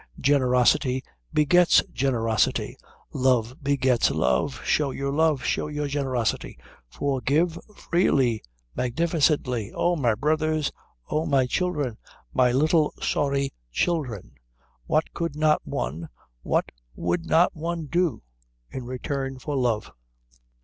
Generosity begets generosity. Love begets love. Show your love. Show your generosity. Forgive freely, magnificently. Oh, my brothers, oh, my children, my little sorry children, what could not one, what would not one do in return for love?